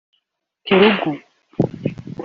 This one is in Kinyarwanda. Telugu